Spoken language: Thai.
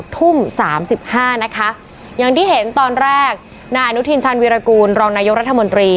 ทุ่ม๓๕นะคะอย่างที่เห็นตอนแรกนายอนุทินชาญวีรกูลรองนายกรัฐมนตรี